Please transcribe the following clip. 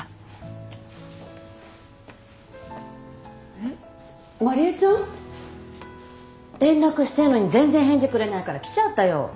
・えっ麻理恵ちゃん？連絡してるのに全然返事くれないから来ちゃったよ。